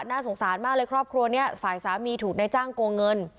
น่าสงสารมากเลยครอบครัวนี้ฝ่ายสามีถูกนายจ้างโกงเงิน